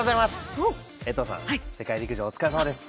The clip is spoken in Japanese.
江藤さん、世界陸上、お疲れさまです。